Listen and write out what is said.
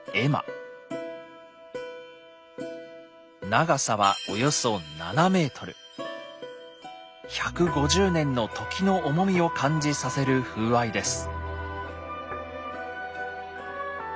長さは１５０年の時の重みを感じさせる風合いです。